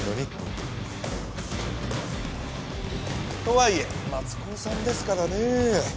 とはいえ松高さんですからねえ。